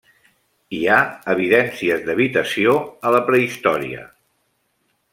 Hi ha evidències d'habitació a la prehistòria.